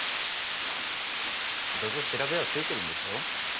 どうせ調べはついてるんでしょう？